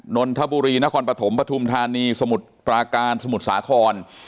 นนทบุรีนครปฐมปฐุมธานีสมุทรปราการสมุทรสาคร